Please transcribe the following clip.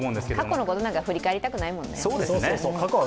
過去のことなんか振り返りたくないもんね。